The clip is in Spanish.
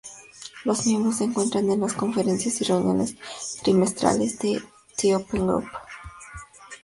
Los miembros se encuentran en las conferencias y reuniones trimestrales de The Open Group.